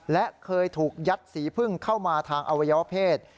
และเคยถูกยัดสีพึ่งเข้ามาทางอวัยวเพศ